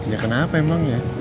ya kenapa emang ya